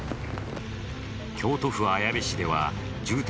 京都府綾部市では住宅